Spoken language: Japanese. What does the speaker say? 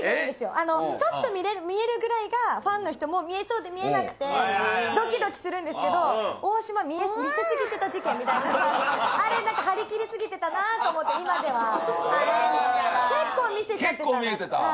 ちょっと見えるぐらいがファンの人も見えそうで見えなくてドキドキするんですけどあれなんか張り切りすぎてたなと思って今では結構見せちゃってたな結構見えてた？